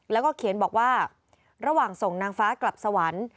แล้วก็เขียนบอกว่าระหว่างส่งนางฟ้ากลับสวรรค์